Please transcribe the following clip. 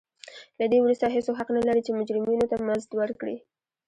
له دې وروسته هېڅوک حق نه لري چې مجرمینو ته مزد ورکړي.